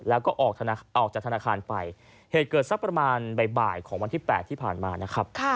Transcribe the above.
แล้วก็ออกจากธนาคารไปเหตุเกิดสักประมาณบ่ายของวันที่๘ที่ผ่านมานะครับ